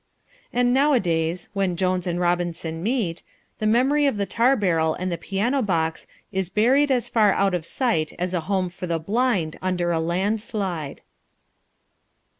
And nowadays, when Jones and Robinson meet, the memory of the tar barrel and the piano box is buried as far out of sight as a home for the blind under a landslide.